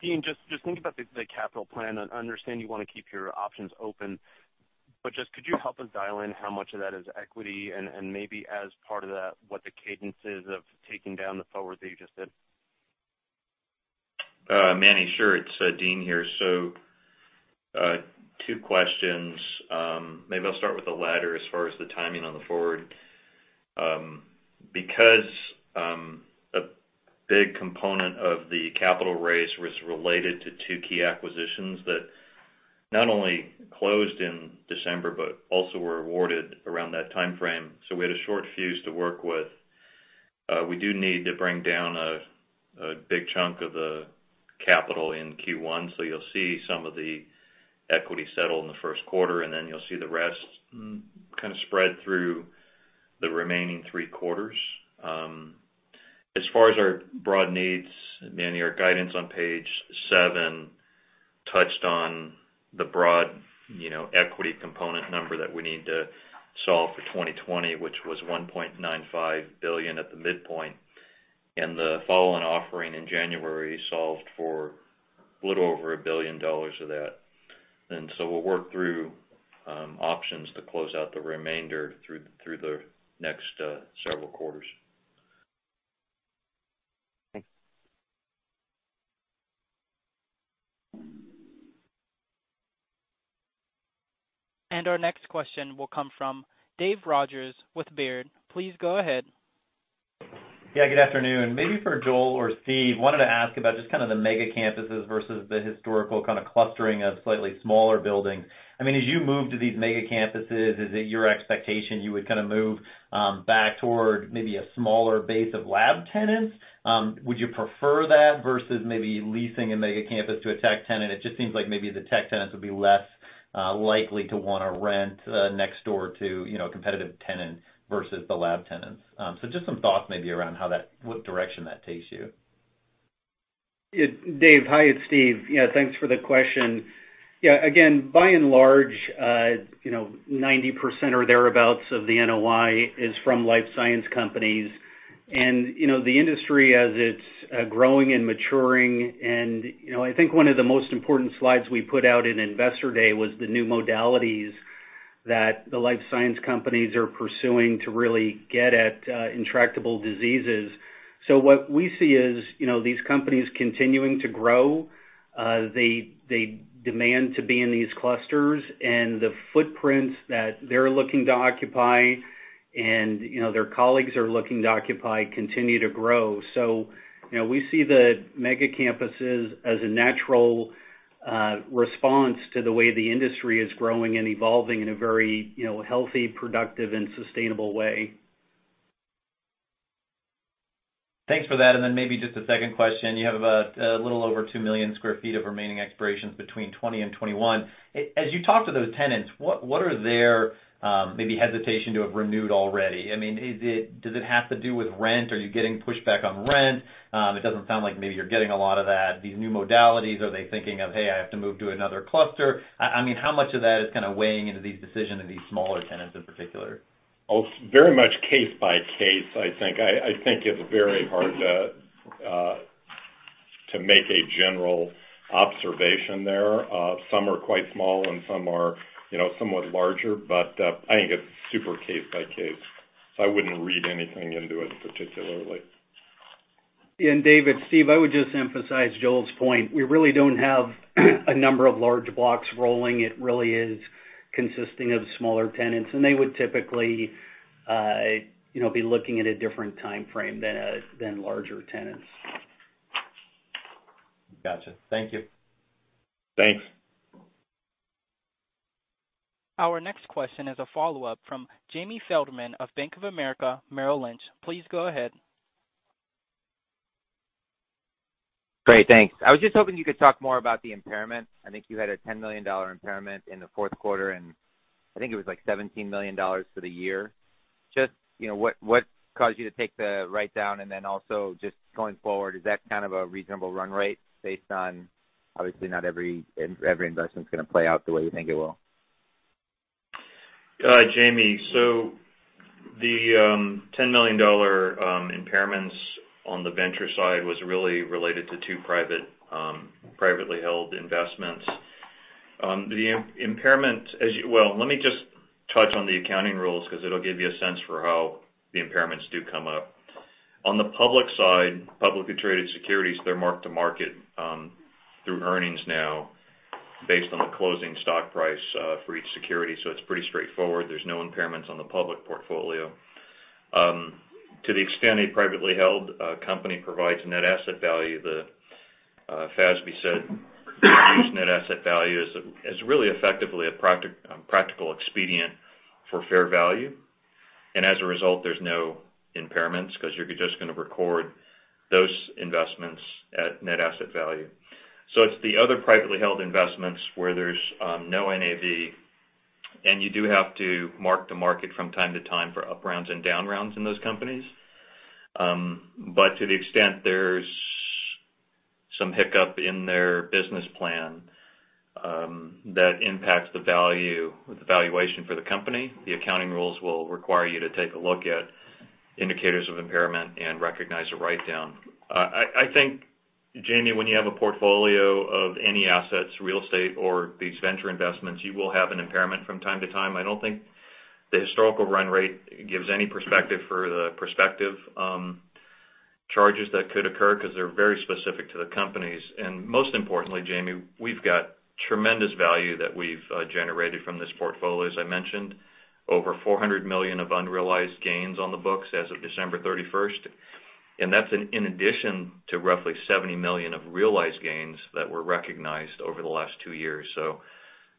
Dean, just thinking about the capital plan. I understand you want to keep your options open. Just could you help us dial in how much of that is equity and, maybe as part of that, what the cadence is of taking down the forward that you just did? Manny, sure. It's Dean here. Two questions. Maybe I'll start with the latter as far as the timing on the forward. A big component of the capital raise was related to two key acquisitions that not only closed in December, but also were awarded around that timeframe. We had a short fuse to work with. We do need to bring down a big chunk of the capital in Q1, you'll see some of the equity settle in the first quarter, you'll see the rest kind of spread through the remaining three quarters. As far as our broad needs, Manny, our guidance on page seven touched on the broad equity component number that we need to solve for 2020, which was $1.95 billion at the midpoint. The following offering in January solved for a little over $1 billion of that. We'll work through options to close out the remainder through the next several quarters. Thanks. Our next question will come from Dave Rodgers with Baird. Please go ahead. Yeah, good afternoon. Maybe for Joel or Steve, wanted to ask about just kind of the mega campuses versus the historical kind of clustering of slightly smaller buildings. As you move to these mega campuses, is it your expectation you would kind of move back toward maybe a smaller base of lab tenants? Would you prefer that versus maybe leasing a mega campus to a tech tenant? It just seems like maybe the tech tenants would be less likely to want to rent next door to a competitive tenant versus the lab tenants. Just some thoughts maybe around what direction that takes you. Dave, hi. It's Steve. Thanks for the question. Again, by and large, 90% or thereabouts of the NOI is from life science companies. The industry as it's growing and maturing, and I think one of the most important slides we put out in Investor Day was the new modalities that the life science companies are pursuing to really get at intractable diseases. What we see is these companies continuing to grow. They demand to be in these clusters, and the footprints that they're looking to occupy and their colleagues are looking to occupy continue to grow. We see the mega campuses as a natural response to the way the industry is growing and evolving in a very healthy, productive, and sustainable way. Thanks for that. Then maybe just a second question. You have a little over 2 million square feet of remaining expirations between 2020 and 2021. As you talk to those tenants, what are their maybe hesitation to have renewed already? Does it have to do with rent? Are you getting pushback on rent? It doesn't sound like maybe you're getting a lot of that. These new modalities, are they thinking of, "Hey, I have to move to another cluster"? How much of that is kind of weighing into these decisions of these smaller tenants in particular? It's very much case by case, I think. I think it's very hard to make a general observation there. Some are quite small, and some are somewhat larger, I think it's super case by case. I wouldn't read anything into it particularly. Dave, it's Steve, I would just emphasize Joel's point. We really don't have a number of large blocks rolling. It really is consisting of smaller tenants, and they would typically be looking at a different timeframe than larger tenants. Got you. Thank you. Thanks. Our next question is a follow-up from Jamie Feldman of Bank of America Merrill Lynch. Please go ahead. Great, thanks. I was just hoping you could talk more about the impairment. I think you had a $10 million impairment in the fourth quarter. I think it was like $17 million for the year. Just what caused you to take the write-down? Also just going forward, is that kind of a reasonable run rate based on, obviously, not every investment's going to play out the way you think it will? Jamie, the $10 million impairments on the venture side was really related to two privately held investments. Well, let me just touch on the accounting rules because it'll give you a sense for how the impairments do come up. On the public side, publicly traded securities, they're marked to market through earnings now based on the closing stock price for each security. It's pretty straightforward. There's no impairments on the public portfolio. To the extent a privately held company provides net asset value, the FASB said each net asset value is really effectively a practical expedient for fair value. As a result, there's no impairments because you're just going to record those investments at net asset value. It's the other privately held investments where there's no NAV, and you do have to mark the market from time to time for up rounds and down rounds in those companies. To the extent there's some hiccup in their business plan that impacts the valuation for the company, the accounting rules will require you to take a look at indicators of impairment and recognize a write-down. I think, Jamie, when you have a portfolio of any assets, real estate or these venture investments, you will have an impairment from time to time. I don't think the historical run rate gives any perspective for the prospective charges that could occur because they're very specific to the companies. Most importantly, Jamie, we've got tremendous value that we've generated from this portfolio. As I mentioned, over $400 million of unrealized gains on the books as of December 31st. That's in addition to roughly $70 million of realized gains that were recognized over the last two years.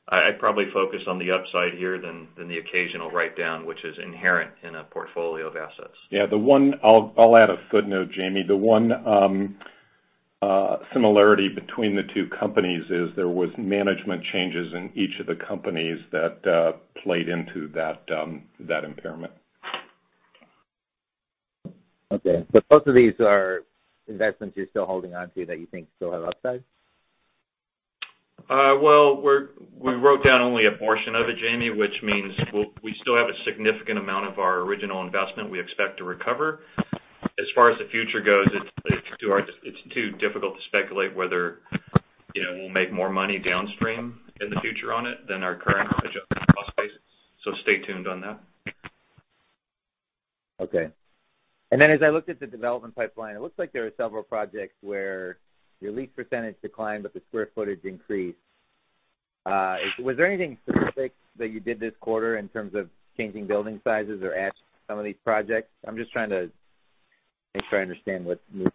I'd probably focus on the upside here than the occasional write-down, which is inherent in a portfolio of assets. Yeah. I'll add a footnote, Jamie. The one similarity between the two companies is there was management changes in each of the companies that played into that impairment. Okay. Both of these are investments you're still holding onto that you think still have upside? Well, we wrote down only a portion of it, Jamie, which means we still have a significant amount of our original investment we expect to recover. As far as the future goes, it is too difficult to speculate whether we will make more money downstream in the future on it than our current adjusted cost basis. Stay tuned on that. Okay. As I looked at the development pipeline, it looks like there are several projects where your lease percentage declined, but the square footage increased. Was there anything specific that you did this quarter in terms of changing building sizes or adding some of these projects? I'm just trying to make sure I understand what's new.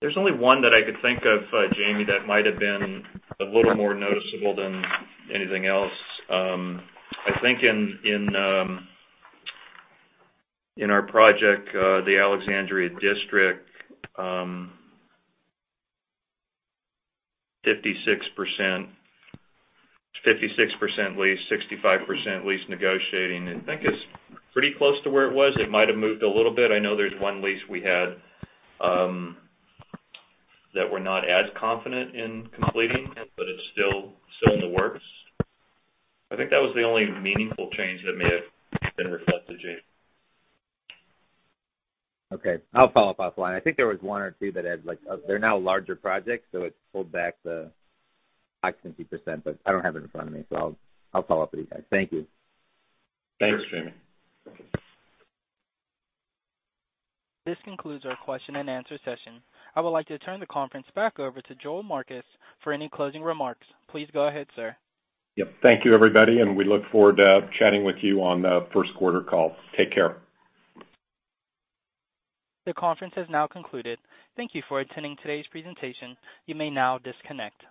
There's only one that I could think of, Jamie, that might have been a little more noticeable than anything else. I think in our project, the Alexandria District, 56% lease, 65% lease negotiating. I think it's pretty close to where it was. It might have moved a little bit. I know there's one lease we had that we're not as confident in completing, but it's still in the works. I think that was the only meaningful change that may have been reflected, Jamie. Okay. I'll follow up offline. I think there was one or two that had, they're now larger projects, so it's pulled back the occupancy percentage, but I don't have it in front of me. I'll follow up with you guys. Thank you. Thanks, Jamie. This concludes our question and answer session. I would like to turn the conference back over to Joel Marcus for any closing remarks. Please go ahead, sir. Yep. Thank you, everybody, and we look forward to chatting with you on the first quarter call. Take care. The conference has now concluded. Thank you for attending today's presentation. You may now disconnect.